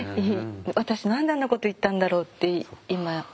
私何であんなこと言ったんだろうって今思えば。